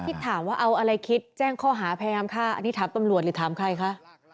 ที่ถามว่าเอาอะไรคิดแจ้งข้อหาพยายามฆ่าอันนี้ถามตำรวจหรือถามใครคะ